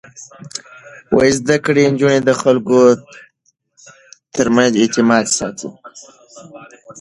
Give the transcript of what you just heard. زده کړې نجونې د خلکو ترمنځ اعتماد ساتي.